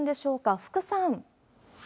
福さん。